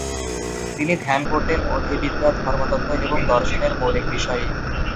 তিনি ধ্যান করতেন অধিবিদ্যা, ধর্মতত্ত্ব এবং দর্শনের মৌলিক বিষয়ে।